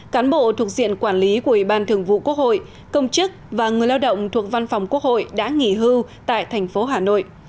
cán bộ thuộc diện quản lý của ủy ban thường vụ quốc hội công chức và người lao động thuộc văn phòng quốc hội đã nghỉ hưu tại thành phố hà nội